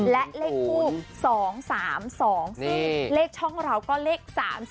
และเลขคู่๒๓๒ซึ่งเลขช่องเราก็เลข๓๒